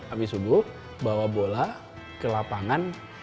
habis subuh bawa bola ke lapangan